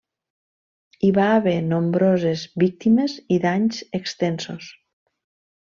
Hi va haver nombroses víctimes i danys extensos.